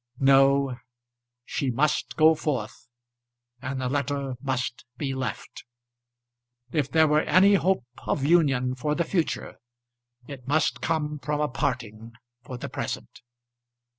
No. She must go forth and the letter must be left. If there were any hope of union for the future it must come from a parting for the present.